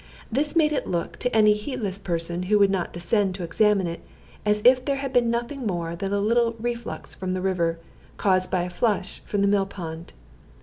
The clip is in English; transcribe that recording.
This made it look to any heedless person, who would not descend to examine it, as if there had been nothing more than a little reflux from the river, caused by a flush from the mill pond.